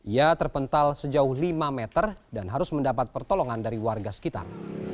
ia terpental sejauh lima meter dan harus mendapat pertolongan dari warga sekitar